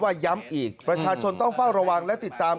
ย้ำอีกประชาชนต้องเฝ้าระวังและติดตาม